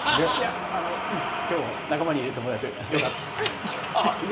今日は仲間に入れてもらえてよかった。